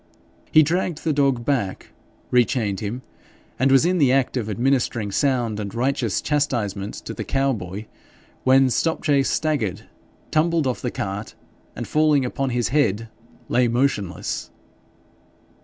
He dragged the dog back, rechained him, and was in the act of administering sound and righteous chastisement to the cow boy, when Stopchase staggered, tumbled off the cart, and falling upon his head, lay motionless.